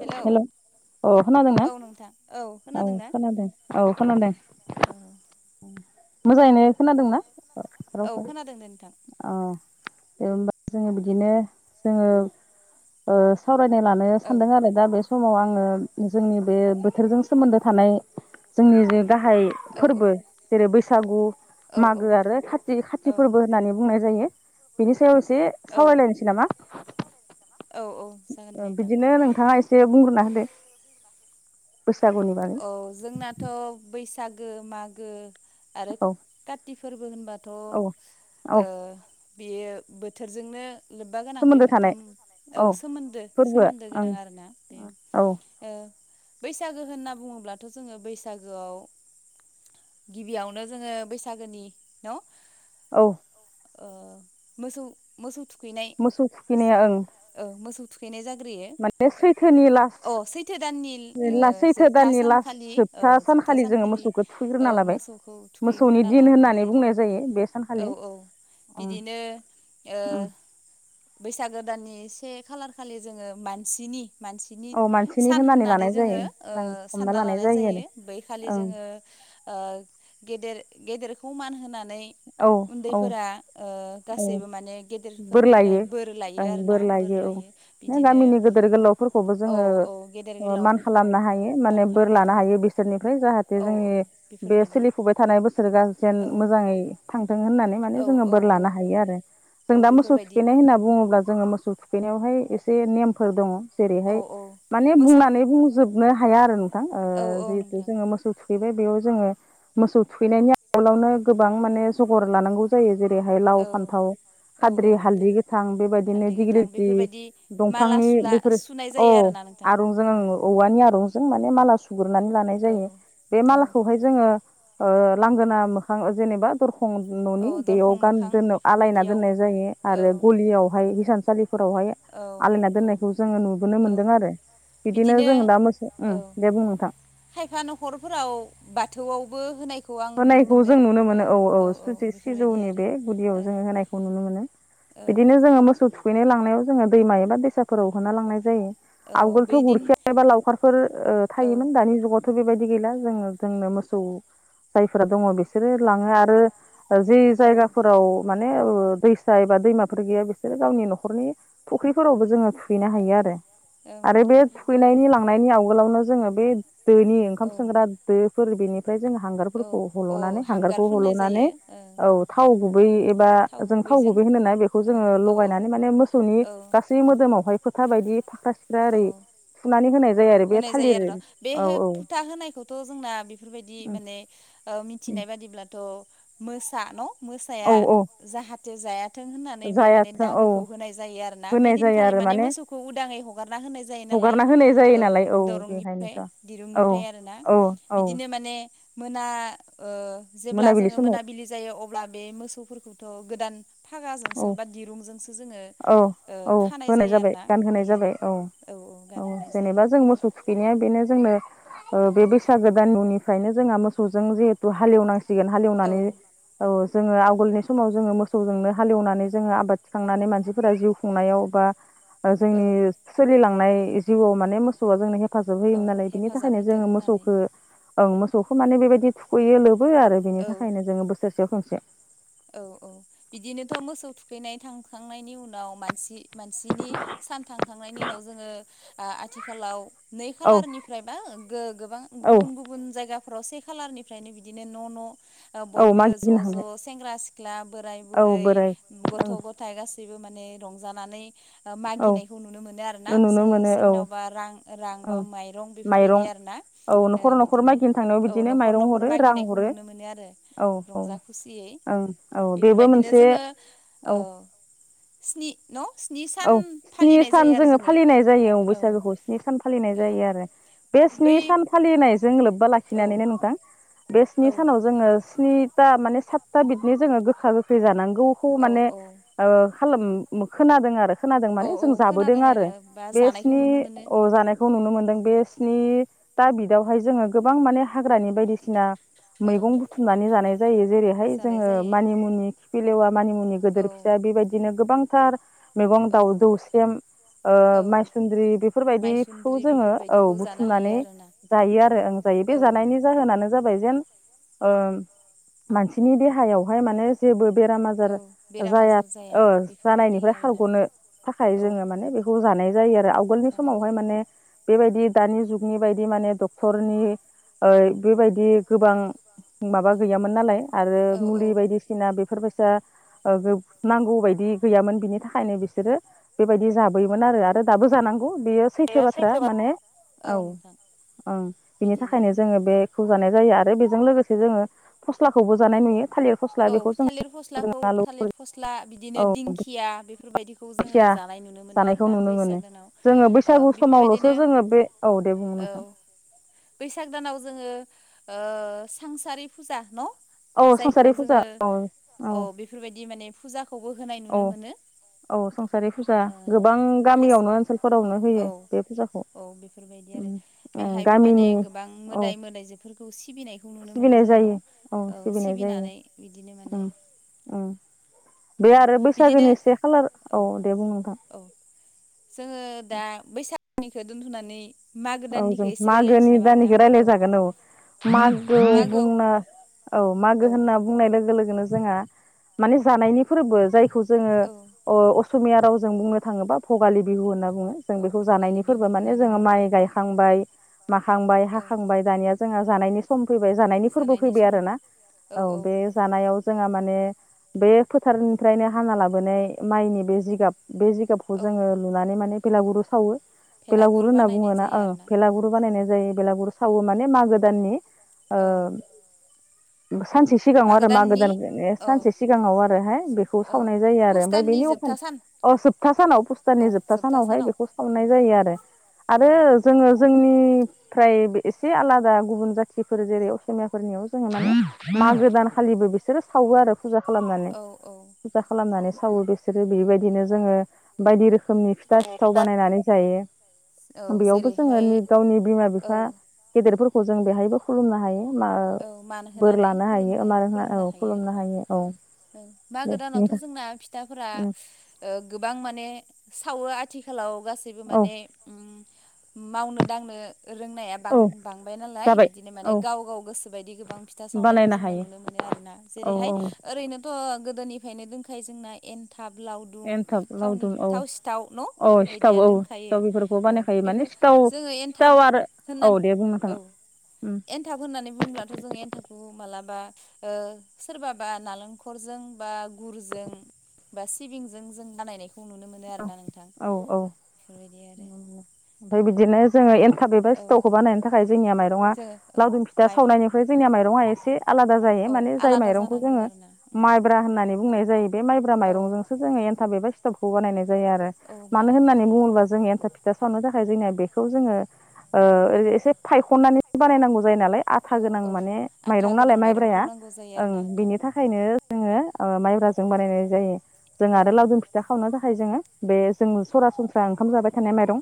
हेल' औ खोनादोंना औ ना खोनादों औ खोनादों। औ मोजाङैनो खोनादोंना औ रावखौ। खोनादों दे नोंथां दे होनबा जोङो बिदिनो जोङो ओ सावरायनो लानो औ सानदों आरो दा बे समाव आङो जोंनि बे बोथोरजों सोमोन्दो थानाय जोंनि जे गाहाय औ औ फोरबो जेरै बैसागु औ मागो आरो खाथि खाथि औ फोरबो होननानै बुंनाय जायो। बिनि सायाव एसे औ सावरायलायनोसै नामा? औ जागोन दे नोंथां बिदिनो नोंथाङा एसे बुंग्रोना होदो। बैसागुनि बागै औ जोंनाथ' बै बैसागो, मागो आरो औ काति फोरबो होनबा दाथ' औ औ ओ बेयो बोथोरजोंनो लोब्बा गोनां बे सोमोन्दो थानाय मोनथाम औ सोमोन्दो फोरबोआ सोमोन्दो ओं गोनां आरोना। बे औ ओ बैसागो होनना बुङोब्लाथ' जोङो बैसागोआव गिबियावनो जोङो बैसागोनि न' औ ओ मोसौ मोसौ थुखैनाय मोसौ थुखैनाया ओं ओ मोसौ थुखैनाय जाग्रोयो माने सैथोनि अ सैथो दाननि लास ओ [unintelligible] जोबथा सानखालि ओ जोबथा सानखालि मोसौखौ औ थुखैग्रोना लाबाय मोसौखौ मोसौनि थुखैग्रोना दिन लाग्रोनाय होननानै जायो। बुंनाय आरो जायो बे औ सानखालि। औ ओं बिदिनो ओ ओम बैसागो दाननि से खालार खालि जोङो मानसिनि मानसिनि औ मानसिनि सान होननानै लानाय जायो जोङो ओ सानना लानाय जायो। बै खालि जोङो ओ गेदेर गेदेरखौ मान होनानै नै ओं औ उन्दैफोरा ओ औ गासैबो माने बोर गेदेरफोरनिफ्राय लायो बोर लायो आरोना बोर लायो बिदिनो गामिनि गोदोर गोलावफोरखौबो औ औ गेदेर जोङो मान गोलावफोरखौ खालामनो हायो मान माने बोर लानो खालामनानै हायो बिसोरनिफ्राय जाहाथे औ औ जोंनि बे बेफोरबायदि सोलिफुबाय थानाय बोसोरनि जेन औ मोजाङै थांथों होननानै माने औ जोङो औ बोर औ लानो हायो‌ आरो औ जों दा मोसौ बेफोरबायदि थुखैनाय होनना बुङोब्ला जोङो मोसौ थुखैनायावहाय एसे नेमफोर दङ। औ जेरैहाय औ माने मोसौ बुंनानै बुंजोबनो हाया आरो नोंथां औ औ जिहेथु नोंथां जोङो मोसौ थुखैनाय। बेयाव जोङो मोसौ थुखैनायनि आगोलावनो गोबां माने जगार लानांगौ जायो। जेरैहाय लाव औ फानथाव औ औ खाद्रि नोंथां हालदै गोथां बेबायदिनो हालदै गोथां दिग्रिलिथि बेफोरबायदि माला दंफांनि सुला बेफोरो सुनाय औ जायो आरोना नोंथां आरंजों ओं औ औवानि आरं जों माने माला सुग्रोनानै लानाय जायो बे औ मालाखौहाय जोङो ओ लांगोना मोखां ओ जेनेबा दरखं औ न'नि बेयाव दरखं गान मोखां दोनो आलायना बेफोरबायदियाव दोननाय जायो औ आरो गलियावहाय हिसानसालिफोराव ए औ आलायना औ दोननायखौ जोङो नुबोनो औ मोनदों आरो बिदिनो जों दा मोसो औ उम दे बुं नोंथां। खायफा न'खरफोराव बाथौआवबो होनाय होनायखौ जों नुनो मोनो औ औ सुजि बेफोरबायदि सिजौनि आरो बे गुदियाव औ जोङो होनायखौ नुनो मोनो। औ बिदिनो जोङो मोसौ थुखैनो लांनायाव जोङो दैमा एबा दैसाफोराव होना लांनाय जायो। औ आवगोलथ' बैदिन गुरखिया एबा लावखारफोर ओ औ थायोमोन दानि जुगाव थ' बेबायदि गैला जोङो जोंनो मोसौ जायफोरा दङ बिसोरो लाङो आरो ओ जि औ जायगाफोराव मान ने ओ दैसा एबा दैमाफोर गैया बिसोरो गावनि न'खरनि फुख्रिफोरावबो जोङो थुहैनो हायो आरो औ आरो बे नोंथां थुखैनायनि लांनायनि आवगोलावनो जोङो बे दोनि ओंखाम औ सोंग्रा दोफोर बेनिफ्राय जों हांगार औ फोरखौ औ हल'नानै हांगार हांगारखौ फोननाय हल'नानै जायो ओ औ थाव गुबै एबा जों थाव गुबै होनोना बेखौ औ जोङो औ लगायनानै माने मोसौनि औ गासै मोदोमावहाय फोथा बायदि फाख्रा सिख्रा ओरै औ थुनानै होनाय जायो आरो बे होनाय जायो थालिर आरो न' बे औ हो औ फुथा होनायखौथ' जोंना बेफोरबायदि माने ओ मिन्थिनाय बादिब्लाथ' मोसा न मोसाया औ औ जाहाथे जाया थों होननानै बे माने जायाथों औ दागोखौ होनाय जायो आरोना बे होनाय जायो दिनखालि आरो माने मोसौखौ उदाङै हगार ना होनाय जायो नालाय हगारना होनाय जायो औ नालाय दरंनिफ्राय बेखायनोथ' औ दिरुंनिफ्राय आरोना औ औ बिदिनो माने मोना ओ जेब्ला मोनाबिलि जोङो समाव मोनाबिलि जायो अब्ला बे मोसौफोरखौथ' गोदान फागाजोंसो औ बा दिरुंजोंसो जोङो औ ओ औ खानाय होनाय जायो आरो जाबाय ना गानहोनाय बिदि जाबाय आरो औ औ औ गानहोनाय जेनेबा जायो जों मोसौ थुखैनाया बेनो जोंनो ओ औ बे बैसागो दान मुनिफ्रायनो जोंहा मोसौजों जिहेथु हालेवनां सिगोन औ हालेवनानै औ जोङो आवगोलनि समाव जोङो मोसौजोंनो हालेवनानै जोङो आबाद थिखांनानै मानसिफोरा जिउ खुंनायाव बा औ ओजोंनि सोलिलांनाय जिउआव माने मोसौआ जोंनो फाजाब औ होयोमोन नालाय बिनि हेफाजाब थाखायनो होथों जोङो होननानै मोसौखो ओं मोसौखौ माने बेबायदि थुखैयो लोबो आरो बेनि औ थाखायनो जोङो बोसोरसेयाव खनसे औ औ बिदिनोथ' मोसौ थुखैनाय थांखांनायनि उनाव मानसि मानसिनि सान थांखांनायनि उनाव जोङो ओ आथिखालाव नै औ खालारनिफ्रायबा गो-गोबां औ गुबुन गुबुन जायगा फोराव से खालारनिफ्रायनो बिदिनो न' न' ओ औ बयबो मागिनो ज' हांबाय ज' सेंग्रा सिख्ला बोराय औ बुरै बोराय गथ' ओं गथाय गासैबो माने रंजानानै ओ औ मागिनायखौ नुनो मोनो आरो ना नुनो मोनो औ सो-सोरनावबा रां रां बा औ माइरं बेफोरबायदि माइरं आ रोना औ ओ न'खर न'खर बिदिनो मागिनो थांनायाव औ बिदिनो न'खर माइरं न'खर हरो रां मागिनायखौ हरो नुनो मोनो आरो औ औ रंजा खुसियै ओं औ बेबो इफोरबायदिनो मोनसे जोङो ओ औ स्नि न' स्नि सान औ स्नि फालिनाय सान जायो आरो जोङो फालिनाय जायो औ बैसागोखौ स्नि सान फालिनाय औ जायो आरो बे स्नि बै सान फालिनायजों लोब्बा औ लाखिनानैनो नोंथां बे स्नि औ सानाव जोङो स्नि था माने सातथा बिदनि जोङो गोखा गोखै जानांगौखौ औ माने औ ओ खालोम मो खोनादों आरो खोनादों औ माने औ जों जाबोदों खोनादों आरो। बा बे जानायखौ स्नि नुनो मोनो अ जानायखौ नुनो मोनदों बे स्नि था बिदयावहाय जोङो गोबां माने हाग्रानि बायदिसिना। औ मैगं बुथुमनानै जानाय जायो जेरैहाय जानाय जोङो जायो मानिमुनि खिफिलेवा। मानिमुनि औ गोदोर फिसा बेबायदिनो गोबांथार मैगं औ दाउ दौसेम। ओ औ मायसुन्द्रि बेफोरबायदिखौ माइसुन्द्रि जोङो औ बेफोरबायदिखौ जानो हायो बुथुमनानै आरोना जायो आरो आं जायो बे औ जानायनि जाहोनानो जाबाय जेन ओ मानसिनि देहायावहाय माने जेबो बेराम औ आजार बेराम जाया आजार ओ बेफोरबायदि जानायनिफ्राय आरोना खालग'नो थाखाय औ जोङो माने बेखौ जानाय जायो आरो आवगोलनि जानाय समावहाय जायो माने बेबायदि दानि जुगनि बायदि माने डक्टरनि ओ बेबायदि गोबां माबा गैयामोन नालाय आरो औ औ मुलि बायदिसिना बेफोरबोसो ओ बे नांगौ बायदि गैयामोन बिनि थाख खायनो बिसोरो बेबायदि जाबोयोमोन आरो आरो दाबो जानां गौ बियो सैथो बाथ्रा माने औ ओं बिनि बिदिनो थाखायनो जोङो बे खौ जानाय जायो आरो बेजों लोगोसे जोङो फस्ला जानाय नुयो थालिर औ बेखौ जों थालिर फस्लाखौ आलु थालिर फस्ला औ बिदिनो दिंखिया या बेफोरबायदिखौ जोङो खुथिया जानाय नुनो मोनो जानायखौ आरोना नुनो मोनो बैसाग दानाव जोङो ओ बैसागु समावल'सो बेफोरबायदिनो जोङो बे औ दे बुं औ नोंथां। बैसाग दानाव जोङो ओ सांसारि फुजा न औ जायखौ संसारि फुजा जोङो औ बेफोरबायदि माने फुजाखौबो होनाय औ नुनो मोनो। औ संसारि फुजा ओ गोबां खायसे गामियावनो ओनसोलफोरावनो होयो बे फुजाखौ। बे आरो उम ओ बेहायबो माने गामिनि गोबां औ मोदाय मोदायजोफोरखौ सिबिनायखौ नुनो मोनो सिबिनाय जोंङो न जायो औ सि सिबिनाय जायो उम उम। बे औ आरो बिदिनो बैसागोनि से खालार औ दे बुं नोंथां। औ जोङो दा बैसागनिखौ दोनथ'नानै मागो औ दाननिखौ जों एसे रायलायनोसै मागोनि नामा नोंथां दाननिखौ रायलाय जागोन औ। औ मागो मागोआव बुंना औ मागो होनना बुंनाय लोगो लोगोनो जोंहा माने जानायनि फोरबो जायखौ जोङो औ अ अस असमिया रावजों बुंनो थाङोब्ला पगालि बिहु होनना बुङो जों औ बेखौ भगालि जानायनि बिहु फोरबो माने होननानै जोङो बुङो माइ गाय खांबाय माखांबाय औ हाखांबाय दानिया जोंहा जानायनि सम। फैबाय जानायनि फोरबो फैबाय आरोना औ बे जानायाव। जोंहा माने बे फोथारनिफ्रायनो हाना लाबोनाय माइनि बे जिगाब। बे जिगाबखौ जोङो लुनानै माने बेलागुरु सावो। पेलागुर बानायनाय जायो। ओ आरोना पेलागुरु औ बानायनाय जायो बेलागुरु सावो माने मागो दाननि ओ औ [unintelligible] सानसे सिगाङाव आरो मागो दान बेनि औ सानसे सिगाङाव आरैहाय बेखौ औ सावनाय जायो आरो पुस ओमफ्राय दाननि बेनि जोबथा अखानि सान अ जोबथा सानाव पुस औ दाननि जोबथा सानावहाय सानाव बेखौ औ सावनाय जायो आरो उम आरो जोङो जोंनिफ्राय एसे आलादा गुबुन जाथिफोर जेरै असमियाफोरनियाव जोङो माने औ मागो दान खालिबो बिसोरो सावो आरो फुजा खालामनानै औ औ फुजा खालामनानै। सावो बिसोरो बेबायदिनो जोङो बायदि रोखोम। रोखोमनि फिथा सिथाव बानायनानै औ जायो बेयावबो। जेरैहाय जोङो गावनि बिमा औ बिफा गेदेरफोरखौ जों बेहायबो खुलुमनो हायो। मा ओ औ मान बोर होनानै लानो हायो खुलुमजायो [unintelligible] खुलुमनो औ हायो आरो खुलुमनो हायो औ। दे मागो दानावथ' नोंथां जोंना फिथाफोरा ओ गोबां माने सावो आथिखालाव गासैबो औ माने मावनो दांनो। रोंनाया औ बां-बांबाय नालाय जाबाय बिदिनो माने औ गाव गाव गोसो। बादि गोबां फिथा सावनायखौ बानायनो जोङो हायो नुनो मोनो आरोना औ औ जेरैहाय ओरैनोथ' गोदोनिफ्रायनो दोंखायो जोंना एन थाब लावदुम एन्थाब थावनि लावदुम औ थाव सिथाव न' औ सिथाव बेफोरबायदिया औ दोनखायो सिथाव बेफोरखौ ओ बानायखायो माने बेफोर सिथाव जोङो एनथाब सिथाव आरो औ दे बुं नोंथां। एनथाब होननानै बुंब्लाथ' जों एनथाबखौ मालाबा ओ सोरबा बा नालेंखरजों बा गुरजों जों बा सिबिंजों जों बानायनायखौ नुनो मोनो आरोना नोंथां। आरो ओमफाय बिदिनो जोङो एन थाब एबा औ सिथावखौ बानायनो थाखाय जोंनि माइरङा जोङो औ लावदुम फिथा माइब्रा सावनायनिफ्राय जोंनिया माइरंआ एसे आलादा जायो। औ मयो जाय आलादा माइरंखौ जानांगौ जोङो आरोना उम माइब्रा होननानै बुंनाय जायो बे मायब्रा औ मायरंजोंसो जों बे एन्टाब एबा सिथावखौ बानायनाय जायो आरो औ मानो बानायनाय होननानै जायो बुङोब्ला जोङो एन्थाब फिथा सावनो थाखाय जोंनिया बेखौ जोङो ओ औ ओरै एसे फायखननानै बानायनांगौ जायो नालाय आथा औ गोनां औ माने आथा माइरं नालाय गोनां माइरंखौ माइब्राया। नांगौ जायो ओं आरोना नोंथां बिनि थाखायनो जोङो ओ माइब्राजों बानायनाय जायो जों औ आरो लावदुम फिथा खावनो थाखाय जोङो बे जों सरासनस्रा ओंखाम जाबाय थानाय माइरं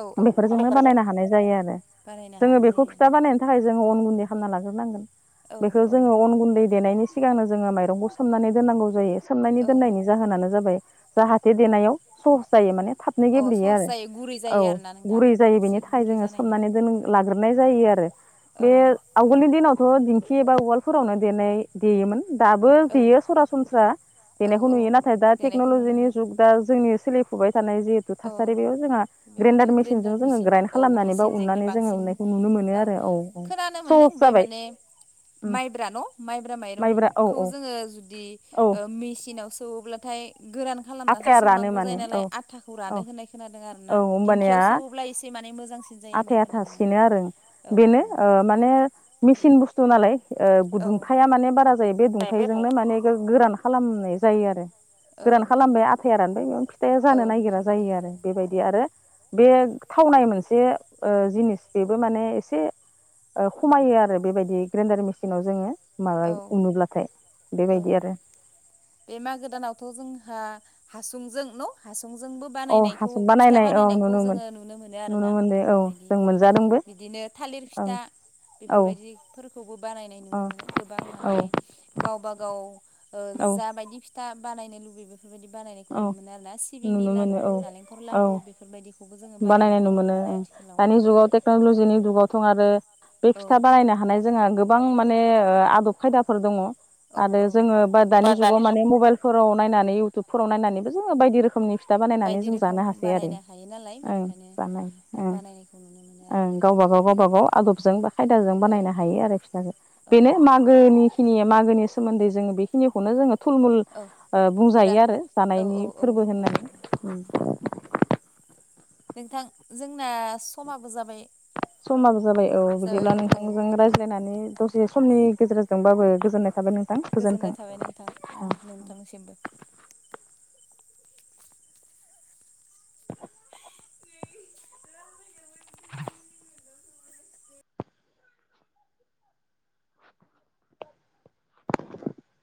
औ औ बेफोरजोंनो बानायनो हानाय जायो आरो। बानायनो जोङो हानाय बेखौ जायो फिथा आरोना बानायनो थाखाय जोङो अन गुन्दै खालाम ला औ बेखौ औ जोङो अन गुन्दै देनायनि सिगांनो जोङो माइरंखौ सोमनानै दोननांगौ जायो। सोमनायनि दोननायनि जाहोनानो जाबाय जाहाथे देनायाव सहस जायो माने नो औ अ गेब्लेयो सस आरो जायो गुरै जायो औ आरोना नोंथां गुरै जायो एसे बेनि थाखाय गुरै जोङो जानायनि सोमनानै दोन ला नाय जायो आरो औ बे आगोलनि दिनावथ' खि एबा उवालफोरावनो देनाय देयोमोन। दाबो औ देयो सरासनस्रा औ देनायखौ औ नुयो नाथाय दा देनायखौ नुनो टेक्नलजिनि मोनो जुग दा जोंनि सोलिफुबाय थानाय जि थु औ थासारि बेयाव जोंहा बेखौथ' ग्रेन्डार मेसिनजों जोङो मेसिन ग्राइन्ड औ खालामनानै बा मेसिनजोंनो उननानै जोङो बांसिन उननायखौ नुनो मोनो आरो। औ औ खोनानो मोनदों सहस बे जाबाय। माने माइब्रा न माइब्रा माइब्रा औ माइरंखौ औ जोङो जुदि औ ओ मेसिनाव सौब्लाथाय गोरान खालामनासो आथाया रानो सौनांगौ माने जायो नालाय औ आथा औ होन्नाय खोनादों आरो ना दिंखियाव सौब्ला एसे माने मोजां आथाया आथा सिनो आरो बेनो ओ माने मेसिन बुस्थु नालाय ओ औ दुंथाया माने बारा जायो बे दुंथायजोंनो माने गोरान खालामनाय जायो आरो। औ गोरान नोंथां खालामबाय आथाया रानबाय बेयावनो फिथाया औ जानो नागिरा बेफोरबायदि जायो आरो बेबायदि आरो बे थावनाय मोनसे ओ जिनिस बेबो माने एसे ओ खमायो आरो बेबायदि ग्रेन्डार मेसिनाव जोङो माबा औ उनोब्लाथाय औ बेबायदि आरो बे मागो दानावथ' जोंहा हासुंजों न' हासु जोंबो औ बानायनायखौ हासब फिथा बानायनाय औ बानायनायखौ नुनो मोन जोङो नुनो मोनो नुनो आरोना मोनदों औ बेफोरबायदि जों मोनजादोंबो बिदि बिदिनो थालिर ओं फिथा औ बेफोरबायदिफोरखौबो बानायनाय नुनो मोनो गोबां औ माने गावबा गाव ओ औ जा बायदि फिथा बानायनो लुबै बेफोरबायदि बानायनायखौ औ नुनो मोनो आरोना सिबिंनि नुनो मोनो लादु औ नालेंखर लादु औ बेफोरबायदि बानायनाय नु मोनो दानि जुगाव टेक्नलजिनि जुगावथ' आरो बे औ फिथा बानायनो हानाय जोंहा गोबां माने आदब खायदाफोर दङ। औ आरो औ जोङो बा दानि जुगाव माने मबाइल फोराव नायनानै इउटुबफोराव नायनानैबो जोङो बायदि रोखोमनि फिथा बानायनानै बायदि जों रोखोम जानो हासै आरो। बानायनो हायो नालाय ओं जानाय बेनिखायनो ओं बानायनायखौ न ओं गावबा गाव गावबा गाव आदबजों बा खायदाजों औ बानायनो हायो आरो फिथाजो औ बेनो नोंथां। मागो निखिनि मागोनि सोमोन्दै जोङो बेखिनिखौनो जोङो थुलमुल औ ओ रा बुंजायो आरो औ औ जानायनि औ फोरबो होननानै नोंथां ओम। नोंथां जोंना समाबो जाबाय। समाबो जाबाय औ बिदिब्ला नोंथांजों रायज्लायनानै दसे समनि गेजेरजोंबाबो गोजोननाय थाबाय नों गोजोननाय थाबाय नोंथां। ओं नोंथांनि सिमबो।